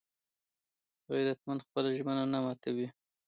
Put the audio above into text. غیرتمند خپله ژمنه نه ماتوي